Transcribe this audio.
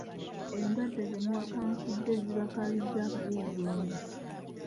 Endwadde zemuwakankudde zibakaabizza akayirigombe.